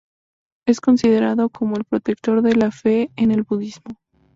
Es considerado como el protector de la fe en el budismo.